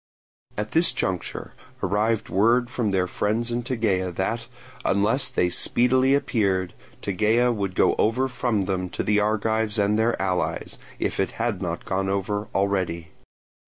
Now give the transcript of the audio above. At this juncture arrived word from their friends in Tegea that, unless they speedily appeared, Tegea would go over from them to the Argives and their allies, if it had not gone over already.